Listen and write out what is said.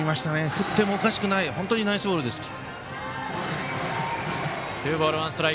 振ってもおかしくない本当にナイスボールでした。